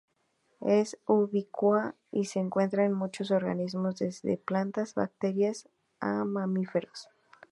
Es ubicua y se encuentra en muchos organismos desde plantas y bacterias a mamíferos.